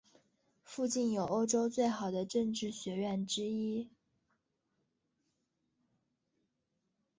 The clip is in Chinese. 附近有欧洲最好的政治学院之一。